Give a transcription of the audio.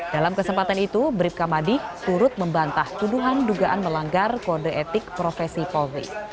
dalam kesempatan itu bribka madi turut membantah tuduhan dugaan melanggar kode etik profesi polri